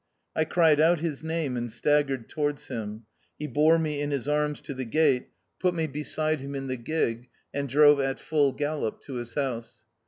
I cried out his name and staggered towards him. He bore me in his arms to the gate, put me be 138 THE OUTCAST. side him in the gig, and drove at full gallop to his house.